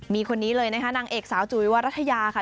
มีคนนี้เลยนะคะนางเอกสาวจุ๋ยวรัฐยาค่ะ